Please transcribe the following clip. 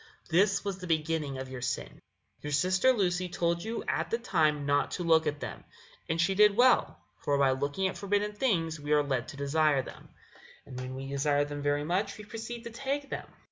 This was the beginning of your sin. Your sister Lucy told you at the time not to look at them, and she did well; for by looking at forbidden things we are led to desire them, and when we desire them very much we proceed to take them.